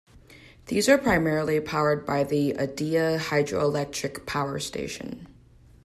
These are primarily powered by the Edea Hydroelectric Power Station.